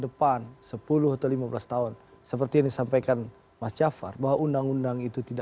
depan sepuluh atau lima belas tahun seperti yang disampaikan mas jafar bahwa undang undang itu tidak